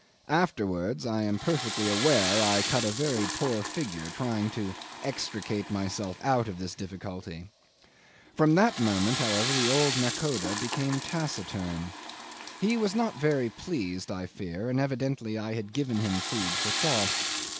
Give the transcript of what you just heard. Afterwards I am perfectly aware I cut a very poor figure trying to extricate myself out of this difficulty. From that moment, however, the old nakhoda became taciturn. He was not very pleased, I fear, and evidently I had given him food for thought.